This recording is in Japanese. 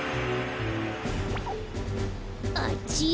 あっち？